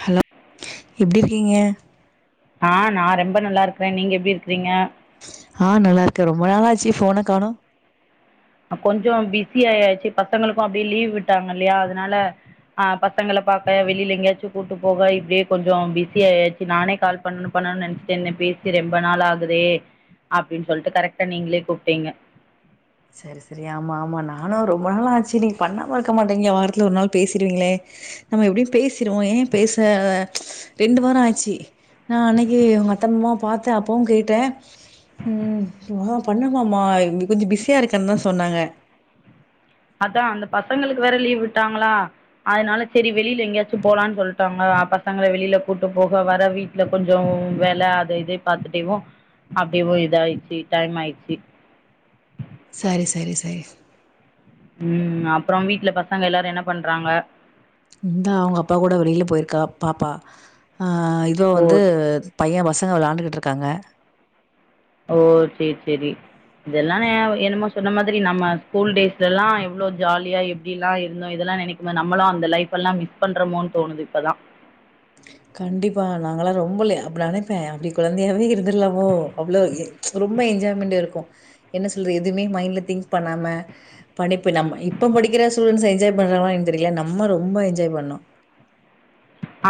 Hello எப்டி இருக்கீங்க ஆஹ் நா ரொம்ப நல்லா இருக்குறே நீங்க எப்டி இருக்றீங்க ஆஹ் நல்லா இருக்கேன் ரொம்ப நாளாச்சு ஃபோன காணு கொஞ்சோ பிஸியாயாச்சு பசங்களுக்கு அப்டியே லீவ் விட்டாங்க இல்லையா அதனால ஆஹ் பசங்கள பாக்க வெளில எங்கயாச்சு கூட்டு போக இப்டியே கொஞ்சோ பிஸியாயாச்சு நானே கால் பண்ணணு பா ன்னனு நெனசே பேசி ரொம்ப நாள் ஆகுதே அப்டின்னு சொல்லிட்டு கரெக்ட்டா நீங்களே கூப்பிட்டீங்க சரி சரி ஆமா ஆமா நானு ரொம்ப நாள் ஆச்சு நீங்க பண்ணாம இருக்க மாட்டிங்க வாரத்துல ஒரு நாள் பேசிடுவீங்களே நம்ம எப்டியும் பேசிடுவோ ஏன் பேச ரெண்டு வாரோ ஆச்சி நான் அன்னக்கி உங்க அத்தமாமாவ பாத்த அப்பவும் கேட்டே ம் வா பண்ணமாமா கொஞ்சம் பிஸியா இருக்கன் தா சொன்னாங்க அதான் அந்த பசங்களுக்கு வேற லீவ் விட்டாங்களா அதனால சேரி வெளில எங்கேயாச்சும் போலான் சொல்ட்டாங்க ப பசங்கள வெளில கூட்டு போக வர வீட்ல கொஞ்சோம் வேல அத இத பாத்துட்டேவு அப்டியேவு‌ இத ஆயிட்ச்சு டைம் ஆயிட்ச்சி சரி சரி சரி ம் அப்றோ வீட்ல பசங்க எல்லாரு என்ன பண்றாங்க இந்தா அவுங்க அப்பா கூட வெளில போயிருக்கா பாப்பா ஆ இதோ ஓ வந்து பைய பசங்க வெளாண்டுக்கிட்ருக்காங்க ஓ சேர் செரி இதல்லானா என்னமோ சொன்ன மாதிரி நம்ம ஸ்கூல் டேஸ்லல்லா எவ்ளோ ஜாலியா எப்டில்லா இருந்தோ இதல் நெனைக்கும்போது நம்மளு அந்த லைஃப்பல்லா மிஸ் பண்றமோனு தோணுது இப்பல்லா கண்டிப்பா நாங்களா ரொ ம்பலே அப்டி நினைப்பே அப்டி கொழந்தையாவே இருந்துர்லாமோ அவ்ளோ எ ரொம்ப என்ஜாய்மெண்டு இருக்கு என்ன சொல்ற எதுமே மைண்ட்ல திங்க் பண்ணாம படிப்பு நம்ம இப்ப படிக்கிற டுன்டஸு என்ஜாய் பண்றாங்களோ தெரில நம்ம ரொம்ப என்ஜாய் பண்ணோ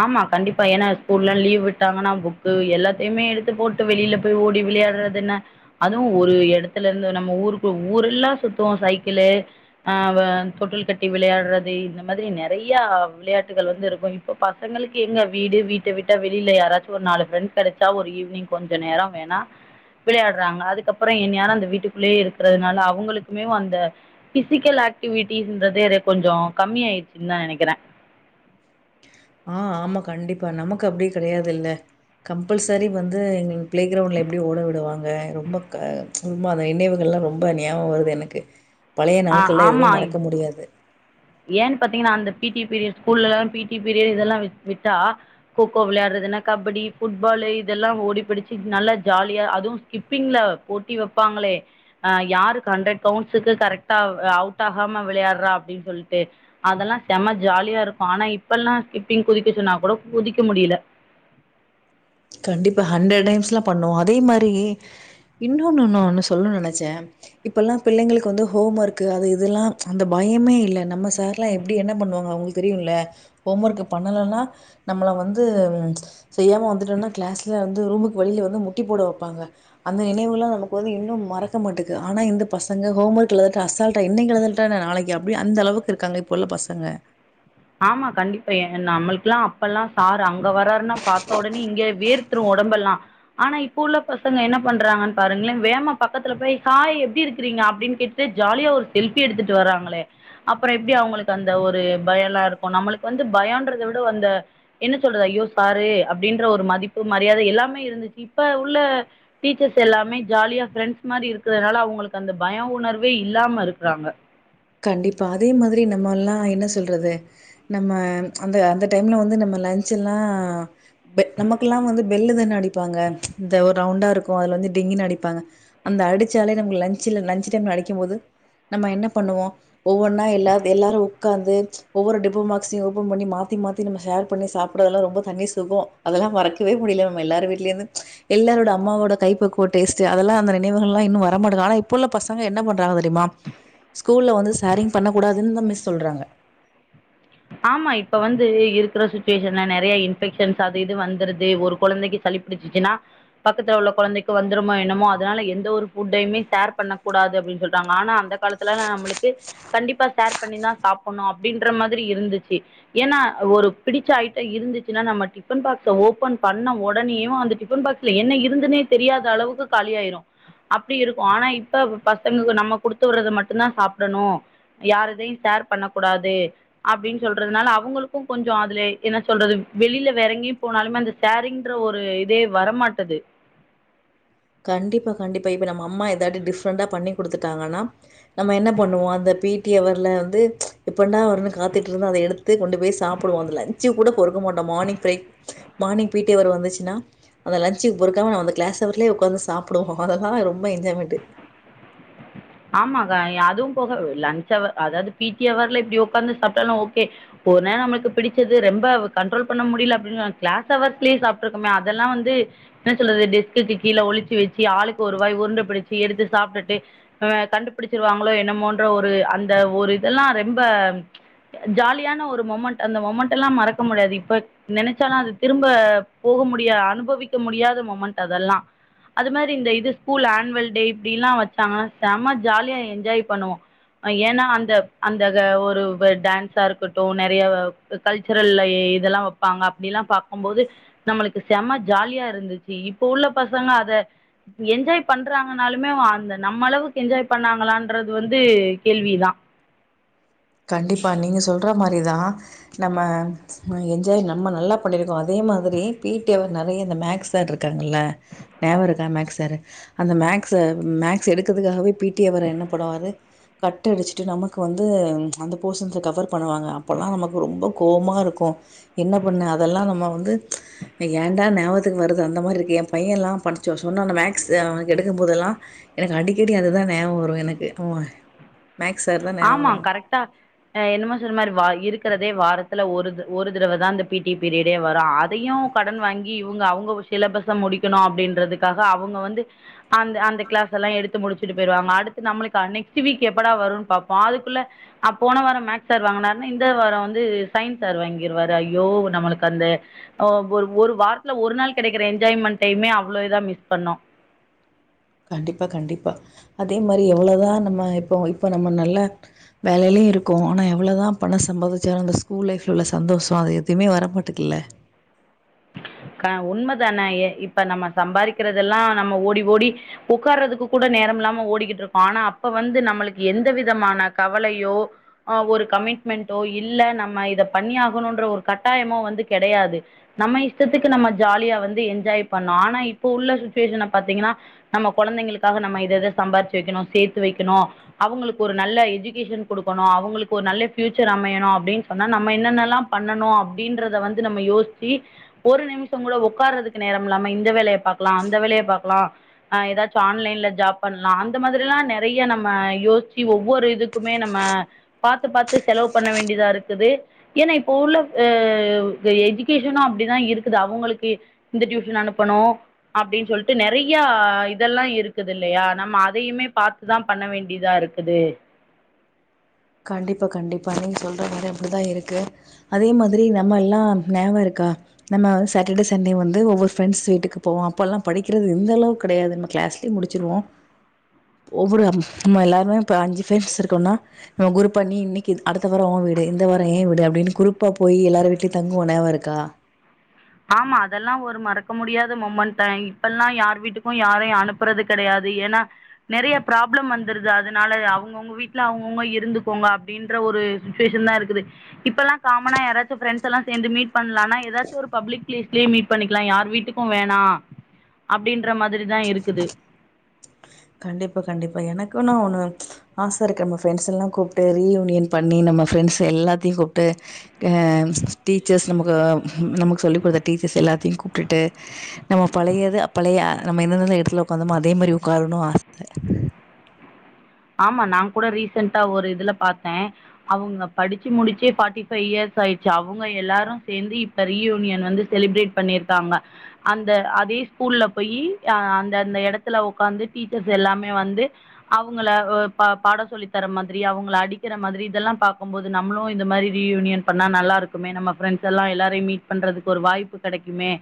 ஆமா கண்டிப்பா ஏன்னா ஸ்கூல்லா லீவ் விட்டாங்கன்னா புக்கு எல்லாத்தையுமே எடுத்து போட்டு வெளியில போய் ஓடி விளையாடுறதென்ன அதுவு ஒரு எடத்துலருந்து நம்ம ஊருக்கு ஊர் எல்லா சுத்துவோ சைக்கிளு ஆ வ தொட்டில் கட்டி விளையாடுறது இந்த மாதிரி நெறைய விளையாட்டுகள் வந்து இருக்கும் இப் போ பசங்களுக்கு எங்க வீடு வீட்ட விட்டா வெளில யாராச்சு ஒரு நாலு ஃபிரெண்ட் கிடைச்சா ஒரு ஈவினிங் கெஞ்ச நேரோ வே னா விளையாடுறாங்க அதுக்கப்பற என்னேரு அந்த வீட்டுக்குள்ளேயே இருக்கிறதுனால அவங்களுக்குமேவு அந்த பிசிக்கல் ஆக்டிவிட்டிஸ்ன்றதே கொஞ்சோ கம்மியாயிடுச்சுன்னு தா நெனைக்கிறே ஆ ஆமா கண்டிப்பா நமக்கு அப்டி கெடையாதுல்ல கம்பல்சரி வந்து எ ப்ளேகிரவுண்ட்ல எப்டியு ஓட விடுவாங்க ரொம்ப க உமாந்த நினைவுகள் ரொம்ப ஞாபகம் வருது எனக்கு பழைய ஆ நாட்கள்லாம் ஆமா எதுவுமே மறக்க முடியாது. ஏன்னு பாத்தீங்கன்னா அந்த பி டி பீரிய்ட் ஸ்கூல்லலா பி டி பீரியட் இதெல்லா விட் விட்டா கோக்கோ விளையாடுறது என்னா கபடி ஃபுட்பால் இதெல்லா ஓடி பிடிச்சு நல்ல ஜாலியா அதுவும் ஸ்கிப்பிங்ல போட்டி வைப்பாங்களே அ யா ஆரு ஹண்டெட் கவுண்ட்ஸுக்கு கரெட் ட்டாவு அவுட் ஆகாம விளையாடுறா அப்டின் சொல்ட்டு அதெல்லா செம ஜாலியா இருக்கு ஆனா இப்பல்லா ஸ்கிப்பிங் குதிக்க சொன்னா கூட குதிக்க முடியல கண்டிப்பா ஹண்ரட் டைய்ம்ஸ்லா பண்ணுவோ அதே மாரி இன்னொன்னு ஒன்னு சொல்லனும் நெனைச்சே இப்பெல்லா பிள்ளைகளுக் வந்து ஹோம் ஒர்க்கு அது இதெல்லா அந்த பாய் யமே இல்ல நம்ம சார்லா எப்டி என்ன பண்ணுவாங்க அவங்களுக்கு தெரியும்ல ஹோம் ஒர்க் பண்ணலனா நம்மள வந் வந்து செய்யாம வந்துட்டனா கிளாஸ்ல வந்து ரூமுக்கு வெளில வந்து முட்டி போட வப்பாங்க அந்த நினைவுல்லா நமக்கு வந்து இன்னும் மறக்க மாட்டக்கு ஆ னா இந்த பசங்க ஹோம்ர்க்ல அசால்டா இன்னைக்கு எழுதல்லாடா என்ன நாளைக்கு அப்ப அந்த அளவுக்கு இருக்காங்க இப்ப உள்ள பசங்க ஆமா கண்டிப்பா எ நம்மளுக்குல்லா அப்பல்லா சாரு அங்க வராருன்னா பாத்த ஒடனே இங்க வேர்த்துருவோ ஒடம்பெல்லா ஆனா இப்ப உள்ள பசங்க என்ன பண்றாங்கன்னு பாருங்களே வேகமா பக்கத்துல போய் ஹாய் எப்டி இருக்கிறீங் க அப்டின்னு கேட்டுட்டு ஜாலியா ஒரு செல்ஃபி எடுத்துட்டு வராங்களே அப்பறோ எப்டி அவங்களுக்கு அந்த ஒரு பயம்லா இருக்கு நம்மளுக்கு வந்து பயம்ன்றத விட அந்த என்ன சொல்றது ஐயோ சாரு அப்டின்ற ஒரு மதிப்பு மரியாத எல்லாமே இருந்துச்சி இப்ப உள்ள டீச்சர்ஸ் எல்லாமே ஜாலியா ஃபிரெண்ட்ஸ் மாரி இருக்கிறனால அவங்களுக்கு அந்த பய ய உணர்வே இல்லாம இருக்குறாங்க கண்டிப்பா அதே மாதிரி நம்மல்லா என்ன சொல்றது நம்ம அந்த அந்த டைம்ல வந்து நம்ம லஞ்ச் எல்லா பெ நமக்குல்லா வந்து பெல்லு தான அடிப்பாங்க இந்த ஒரு ரவுண்டா இருக்கு அதுல வந்து டிங்கின்னு அடிப்பாங்க அந்த அத அடிச்சாலே நமக்கு லஞ்ச்ல லஞ்ச் டைம்ல அடிக்கும் போது நம்ம என்னப் பண்ணுவோ ஒவ்வொன்னா எல்லா எல்லாரு உக்காந்து ஒவ்வொரு டிஃபன் பாக்சையு ஓபன் பண்ணி மாத்தி மாத்தி நம்ம ஷேர் ஷேர் பண்ணி சாப்புட்றதெல்லா ரொம்ப தனி சுகோ அதெல்லா மறக்கவே முடில மேம் எல்லாரு வீட்லேருந்து எல்லாரோட அம்மாவோட கைப்பக்குவோ டேஸ்ட்டு அதெல்லா அந்த நினைவுகள்லா இன்னு வரமாட்டங்க ஆனா இப்ப உள்ள பசங்க என்ன பண்றாங்க தெரிமா ஸ்கூல்ல வந்து ஷேரிங் பண்ண கூடாதுன்னு தா மிஸ் சொல்றாங்க ஆமா இப்ப வந்து இருக்கற சுச்சுவேஷன்ல நெறைய இன்பெக்ஷன்ஸ் அது இது வந்துருது ஒரு கொழந்தைக்கு சளி பிடிச்சிச்சினா பக்கத்துல உள்ள கொழந்தைக்கு வந்துருமோ என்னமோ அதனால எந்த ஒரு ஃபுட்டையுமே ஷேர் பண்ணக் கூடாது க்கு அப்டின்னு சொல்றாங்க ஆனா அந்த காலத்துல்ல நம்மளுக்கு கண்டிப்பா ஷேர் பண்ணிதா சாப்புட்ணு அப்டின்ற மாதிரி இ இருந்துச்சி ஏன்னா ஒரு பிடிச்ச ஆயிட்ட இருந்துச்சுன்னா நம்ம டிஃபன் பாக்ஸ ஓபன் பண்ண ஒடனே கியு அந்த டிஃபன் பாக்ஸ்ல என்ன இருந்துனே தெரியாத அளவுக்கு காலியாயிரு அப்டி இருக்கு ஆனா இப்ப பசங்களுக்கு நம்ம குடுத்து விட்றத மட்டும்தா சாப்டணு யாருதையு ஷேர் பண்ணக்கூடாது அப்டின்னு சொல்றதுனால அவங்களுக்கு கொஞ்சோ அதுல என்ன சொல்றது வெளியில வேறெங்கயு போனாலுமே அந்த ஷேரிங்ன்ற ஒரு இதே வரமாட்டுது கண்டிப்பா கண்டிப்பா இப்ப நம்ம அம்மா எதாட்டு டிஃப்ரெண்டா பண்ணி குடுத்துட்டாங்கன்னா நம்ம என்ன பண்ணுவோ அந்த பி டி அவர்ல வந்து எப்பன்டா வருன்னு காத்துட்டு இருந்து அத எடுத்து கொண்டு போய் சாப்புடுவோ அந்த லஞ்ச்க்கு கூட பொறுக் க்க மாட்டோ மானிங் பிரேக் மானிங் பி டி அவர் வந்துச்சுன்னா அந்த லஞ்ச்சுக்கு பொறுக்காம அந்த கிளாஸ் அவர்லே ஒக்காந்து சாப்புடுவோ அதெல்லா ரொம்ப என்ஜாய்மெண்ட்டு ஆமா க அதுவு போக லஞ்ச் அவர் அதாவது பி டி அவர்ல இப்டி உக்காந்து சாப்பிட்டாலு ஓகே ஒரு நே ரம் நம்மளுக்கு பிடிச்சது ரொம்ப கண்ட்ரோல் பண்ண முடில அப்டின்னு கிளாஸ் அவர்ஸ்லயே சாப்ட்டுருக்கோமே அதெல்லா வந்து என்ன சொல்றது டெஸ்குக்கு கீழ ஒழிச்சு வச்சு ஆளுக்கு வருவா உருண்ட பிடிச்சு எடுத்து சாப்ட்டுட்டு ஆ கண்டுபிடிச்சிருவாங்களோ என்னமோன்ற ஒரு அந்த ஒரு இதெல்லா ரொம்ப ஜாலியான ஒரு மொமண்ட் அந்த மொமெண்ட் எல்லா மறக்க முடியாது இப்ப நெனச்சாலு அது திரும்ப போக முடியா அனுபவிக்க முடியாத மொமெண்ட் அதெல்லா அது மாதிரி இந்த இது ஸ்கூல் ஆன்வல் டே இப்டி எல்லா வச்சாங்கன்னா செமா ஜாலியா என்ஜாய் பண்ணுவோ ஏன்னா அந்த அந்த க ஒரு டான்ஸா இருக்கட்டு நெறைய கல்ச்சரல்லயே இதெல்லா வப்பாங்க அப்டி எல்லா பாக்கும்போது நம்மளுக்கு செம ஜாலியா இருந்துச்சு இப்ப உள்ள பசங்க அ த என்ஜாய் பண்றாங்கன்னாலுமே அந்த நம்ம அளவுக் கு என்ஜாய் பண்ணாங்களான்றது வந்து கேள்விதா கண்டிப்பா நீங்க சொல்ற மாரிதா நம்ம என்ஜாய் நம்ம நல்லா பண்ணிருக்கோ அதே மாதிரி பி டி அவர் நெறைய இந்த மேக்ஸ் சார் இருக்காங்கல்ல ஞாபக இருக்கா மேக்ஸ் சார் அந்த மேக் ஸ மேக்ஸ் எடுக்கிறதுக்காகவே பி டி அவர என்ன பண்ணுவாரு கட் அடிச்சிட்டு நமக்கு வந்து அந்த போர்ஷன்ஸ கவர் பண்ணுவாங்க அப்பல்லா நமக்கு ரொம்ப கோவமா இருக்கு என்ன பண்ண அதெல்லா நம்ம வந்து ஏண்டா ஞாபகத்துக்கு வருது அந்த மாரி இருக்கு எ பைய எல்லா படிச்சோ சொன்னா அந்த மேக்ஸ் அவனுக்கு எடுக்கும்போதெல்லா எனக்கு அடிக்கடி அதுதா ஞாபகோ வரு எனக்கு ம் ஆமா கரெக்ட்டா என்னமோ சொன்ன மாரி வா இருக்கிறதே வாரத்துல ஒரு த ஒரு தடவதா அந்த பி டி பீரியடே வரு அதையு கடன் வாங்கி இவுங்க அவுங்க சிலபஸ்ஸ முடிக்கணு அப்டின்றதுக்காக அவுங்க வந்து அந்த அந்த கிளா க்ளாஸெல்லா எடுத்து முடிச்சுட்டு போயிருவாங்க அடுத்து நம்மளுக்கா நெக்ஸ்ட் வீக் எப்படா வருன்னு பாப்போ வா அதுக்குள்ள ஆ போன வாரோ மேக்ஸ் சார் வாங்குனாரு இந்த வாரோ வந்து சயின்ஸ் சாரு வாங்கிருவாரு ஐயோ நம்மளுக்கு அந்து ஒ ஒரு ஒரு வாரத்துல ஒரு நாள் கிடைக்கிற என்ஜாய்மெண்ட்டைமே அவ்ளோ இதா மிஸ் பண்ணோ கண்டிப்பா கண்டிப்பா அதே மாரி எவ்வளதா நம்ம இப்போ இப்ப நம்ம நல்ல வேலைலே இருக்கும் ஆனா எவ்வளதா பண சம்பாதிச்சாலு அந்த ஸ்கூல் லைஃப்ல உள்ள சந்தோஷோ அது எதுவுமே வரமாட்டுக்குல்ல க உண்மதானயே இப்ப நம்ம சம்பாரிக்கிறதெல்லா நம்ம ஓடி ஓடி உக்கார்றதுக்கு கூட நேரம் இல்லாம ஓடிக்கிட்டு இருக்கோ ஆனா அப்ப வந்து நம்மளுக்கு எந்த விதமான கவலையோ அ ஒரு கமிட் மெண்டோ இல்ல நம்ம இத பண்ணி ஆகணுன்ற ஒரு கட்டாயமோ வந்து கெடையாது நம்ம இஷ்டத்துக்கு நம்ம ஜாலியா வந்து என்ஜாய் பண்ணோ ஆனா இப்போ உள்ள சுச்சுவேஷன பாத்தீங்கன்னா நம்ம கொழந்தைங்களுக்காக நம்ம இத இத சம்பாரிச்சு வக்கணு சேத்து வக்கணு அவுங்களுக்கு ஒரு நல்ல எஜுகேஷன் கொடுக்கணு அவுங்களுக்கு ஒரு நல்ல ல ஃபியூச்சர் அமையணு அப்டின்னு சொன்னா நம்ம என்னென்னல்லா பண்ணனு அப்டின்றத வந்து நம்ம யோசிச்சி ஒரு நிமிஷ கூட ஒக்கார்றதுக்கு நேரம் இல்லாம இந்த வேலைய பாக்கலா அந்த வேலைய பாக்கலா அ ஏதாச்சு ஆன்லைன் த ஜாப் பண்லா அந்த மாதிரி எல்லா நெறைய நம்ம யோசிச்சு ஒவ்வொரு இதுக்குமே நம்ம பாத்து பாத்து செலவு பண்ண வேண்டியதா இருக்குது ஏன்னா இப்போ உள்ள எ எஜுகேஷனு அப்டிதா இருக்கு குது அவுங்களுக்கு இந்த டியூஷன் அனுப்பனு அப்டின்னு சொல்ட்டு நெறையா இதெல்லா இருக்குது இல்லையா நம்ம அதையுமே பாத்துதா பண்ண வேண்டியதா இருக்குது கண்டிப்பா கண்டிப்பா நீங்க சொல்ற மாரி அப்டிதா இருக்கு அதே மாதிரி நம்ம எல்லா ஞாபக இருக் கா நம்ம வந்து சாட்டர்டே சண்டே வந்து ஒவ்வொரு ஃபிரண்ட்ஸ் வீட்டுக்கு போவோ அப்பெல்லா படிக்கிறது இந்தளவு கெடையாது கிளாஸ்லே முடிச்சிருவோ ம் குரூப்பா நீ இன்னைக்கு இது அடுத்த வாரோ ஓ வீடு இந்த வாரோ ஏ வீடு அப்டின்னு குரூப்பா போய் எல்லார் வீட்லயு தங்குவோ ஞாபகோ இருக்கா தா ஆமா அதெல்லா ஒரு மறக்க முடியாத மொமெண்டாயி இப்பெல்லா யார் வீட்டுக்கும் யாரையு அனுப்புறது கெடையாது ஏன்னா நெறைய ப்ராப்ளம் வந்துருது அதனால அவங்கவுங்க வீட்ல அவங்கவுங்க இருந்துக்கோங்க அப்டின்ற ஒரு ஒரு சுச்சுவேஷன்தா இருக்குது இப்பல்லா காமனா யாராச்சு ஃப்ரெண்ட்ஸ் எல்லா சேந்து மீட் பண்லானா எதாச்சு ஒரு பப்ளிக் பிளேஸ்லயே மீட் பண்ணிக்கலாம் யார் வீட்டுக்கும் வேணா அப்படின்ற மாதிரி தான் இருக்குது கண்டிப்பா கண்டிப்பா எனக்குன்னு ஒண்ணு ஆச இருக்கு நம்ம ஃப்ரெண்ட்ஸ் எல்லாம் கூப்பிட்டு ரீயூனியன் பண்ணி நம்ம ஃப்ரெண்ட்ஸ் எல்லாத்தையும் கூப்பிட்டு அ டீச்சர்ஸ் நமகு நமக்கு சொல்லிக் கொடுத்த டீச்சர்ஸ் எல்லாத்தையும் கூப்பிட்டுட்டு நம்ம பழைய து பழைய நம்ம எந்த எந்த எந்த இடத்துல உட்காந்தமோ அதே மாரி உக்காரனும் ஆ ஆமா நான் கூட ரீசண்டா ஒரு இதுல பாார்த்தேன் அவுங்க படிச்சு முடிச்சே பார்ட்டி ஃபைவ் இயர்ஸ் ஆயிடுச்சு அவங்க எல்லாரும் சேர்ந்து இப்ப ரீயூனியன் வந்து செலிப்ரேட் பண்ணியிருக்காங்க அந்த அது பே ஸ்கூல்ல போயி அந்தந்த இடத்துல உக்கார்ந்து டீச்சர்ஸ் எல்லாமே வந்து அவ் உங்கள ஓ பாட சொல்லி தர மாதிரி அவங்கள அடிக்கிற மாதிரி இதெல்லாம் பார்க்கும்போது நம்மளும் இந்த மாதிரி ரியூனி ஏன் பண்ணா நல்லா இருக்குமே நம்ம ஃபிரண்ட்ஸ் எல்லாம் எல்லாரையும் மீட் பண்றதுக்கு ஒரு வாய்ப்பு கிடைக்குமே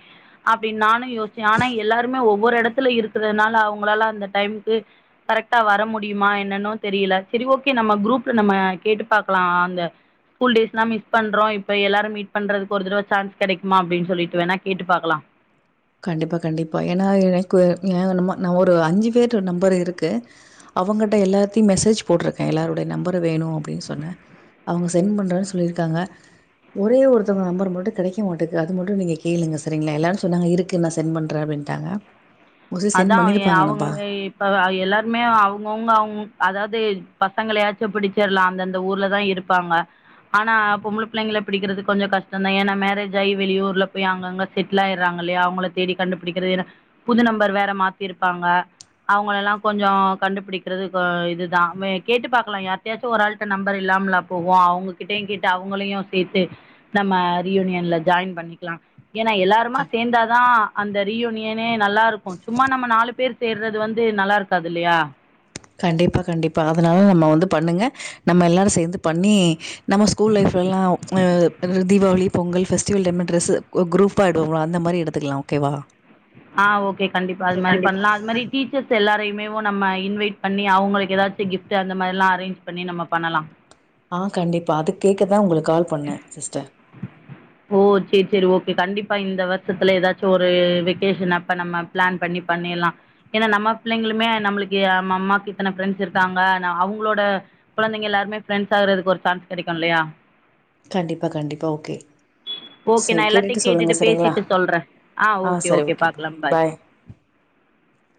அப்படி நானே தி யோசு ஆனா எல்லாருமே ஒவ்வொரு இடத்துல இருக்கதனால அவங்களால அந்த டைமுக்கு கரெக்டா வர முடியு முடியுமா என்னன்னோ தெரியல சரி ஓகே நம்ம குரூப்ல நம்ம கேட்டு பாக்கலாம் அந்த ஸ்கூல் டேஸ்லா மிஸ் பண்றோ இப்ப எல்லாரும் மீட் பண்றதுக்கு ஒரு தடவை சான்ஸ் கிடைக்குமா அப்படின் சொல்லிட்டு வேணா கேட்டு பாக்கலாம் [unintelligible] கண்டிப்பா கண்டிப்பா ஏன்னா எனக்கு ஏ ந நான் ஒரு அஞ்சு பேரு நம்பர் இருக்கு அவுங்களட்ட எல்லாத்தையும் மெசேஜ் போடுறது எல்லாருடைய நம்பரு வேணும் அப்படின்னு சொன்ன அவுங்க சென்ட் பண்றேன்னு சொல்லிருக்காங்க ஒரே ஒருத்தங்க நம்பர் மட்டும் கிடைக்க மாட்டுது அது மட்டும் நீங்க கேளுங்க சரிங்களா எல்லாரு சொன்னாங்க இருக்கு கே ந சென்ட் பண்றேன் அப்படின்ட்டாங்க மோஸ்ட்லி சென்ட் அதான் பண்ணியிருப்பாங்க நம்பா. அவங்க இப்ப எல்லாருமே அவங்கவுங்க அவங்க அதாவது பசங்களயாச்சும் பிடிச்சிடலாம் அந்தந்த ஊர்லதான் இருப்பாங்க ஆனா பொம்பள பிள்ளைங்களை பிடிக்கிறது கொஞ்சம் கஷ்டதான் ஏன்னா மேரேஜ் ஆகி வெளியூர்ல போய் அங்கங்க செட்டில் ஆயறாங்க ல்லையா அவங்கள தேடி கண்டுபிடிக்கிறது புது நம்பர் வேற மாத்திருப்பாங்க அவங்கள எல்லாம் கொஞ்சம் கண்டுபிடிக்கிறது இதுதான் கேட்டு பாார்கக்கலாம் யார்ட்டயாச்சும் ஒரு ஆள்ட நம்பர் இல்ல நம்லா போவோம் அவுங்ககிட்டையே கேட்டு அவுங்களையும் சேர்த்து நம்ம ரியூனியன்ல ஜாயின் பண்ணிக்கலாம் ஏன்னா எல்லாருமா க சேர்ந்தாதான் அந்த ரீயூனியனே நல்லா இருக்கு சும்மா நம்ம நாலு பேர் சேர்றது வந்து நல்லாருக்காது இல்லையா கண்டிப்பா கண்டிப்பா அதனால நம்ம வந்து பண்ணுங்க நம்ம எல்லாரு சேர்ந்து பண்ணி நம்ம ஸ்கூல் லைஃப் ரெலாவ் அ Deepavali Pongal festival time dress குரூப்பாடுவ அந்த மாரி எடுத்துக்கலா ஓகே எவா ஆ ஓகே கண்டிப்பா அது மாரி பண்லா அது மாரி டீச்சர்ஸ் எல்லாரையுமே வோ நம்ம இன்வைட் பண்ணி அவுங்களுக்கு எதாச்சு கிஃப்ட்டு அந்த மேரிலா அரேஞ் பண்ணி நம்ம பண்ணலா ஆ கண்டிப்பா அதுக் கேக்கதா உங்களுக்கு கால் பண்ண சிஸ்டர் ஓ சேரி சேரி ஓகே கண்டிப்பா இந்த வருஷத்துல ஏதாச்சு ஒரு வெக்கேஷன் அப்ப நம்ம பிளான் பண்ணி பண்ணில்லா ஏனா நம்ம பிள்ளைங்களுமே நம்மளுக்கு ஏ மம்மாக்கு இத்தன பிஃரெண்ட்ஸ் இருக்காங்க ந அவுங்ளோட குழந்தைங்க எல்லாருமே பிஃரெண்டஸ் ஆகறதுக்கு ஒரு சான்ஸ் கிடைக்கு இல்லையா கண்டிப்பா கண்டிப்பா ஓகே [unintelligible] ஓகே நா சரி எல்லாத்தையு சொல்லுங்க கேட்டுட்டு சரிங்களா பேசிட்டு சொல்ற ஆ ஓகே ஓகே பாக்லா பாய் [unintelligible]